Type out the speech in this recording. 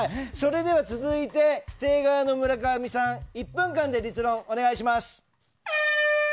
続いて否定側の村上さん１分間で立論、お願いします。